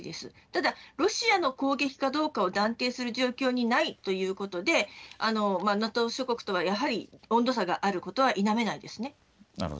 ただロシアの攻撃かどうかを断定する状況にないということでＮＡＴＯ諸国とはやはり温度差があることは否めません。